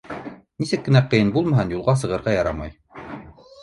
Нисек кенә ҡыйын булмаһын — юлға сығырға ярамай.